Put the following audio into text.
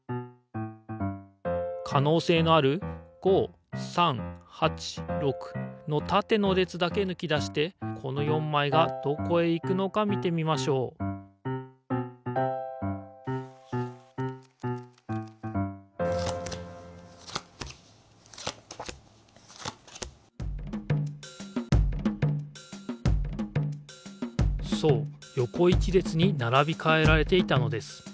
かのうせいのある５３８６のたての列だけぬき出してこの４枚がどこへ行くのか見てみましょうそうよこ１列にならびかえられていたのです。